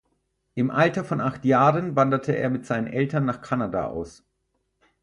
Im Alter von acht Jahren wanderte er mit seinen Eltern nach Kanada aus.